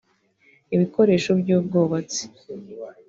ibikoresho by’ubwubatsi